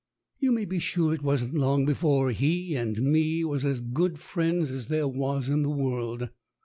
You may be sure it wasn't long before he and me was as good friends as there was in the world.